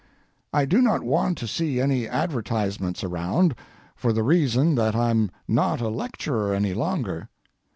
I do not want to see any advertisements around, for the reason that I'm not a lecturer any longer.